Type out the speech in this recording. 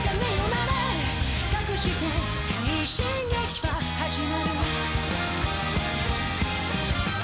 鳴れかくして快進撃は始まる」